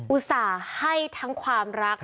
อุตส่าห์ให้ทั้งความรัก